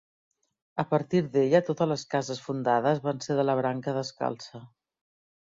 A partir d'ella, totes les cases fundades van ser de la branca descalça.